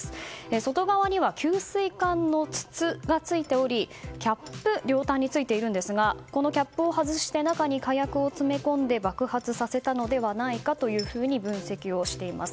外側には給水管の筒がついておりキャップが両端についているんですがこのキャップを外して中に火薬を詰め込んで爆発させたのではないかと分析をしています。